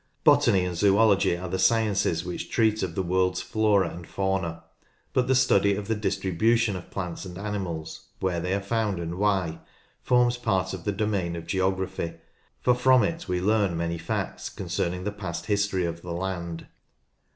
Botany and zoology are the sciences which treat of the world's flora and fauna, but the study of the dis tribution of plants and animals — where they are found and why — forms part of the domain of geography, for from it we learn many facts concerning the past history of the land.